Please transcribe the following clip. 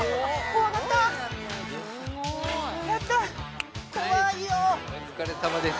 お疲れさまです。